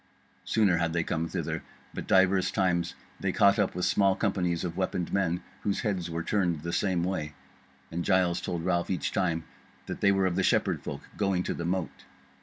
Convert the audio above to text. Sooner had they came thither; but divers times they caught up with small companies of weaponed men, whose heads were turned the same way; and Giles told Ralph each time that they were of the Shepherd folk going to the mote.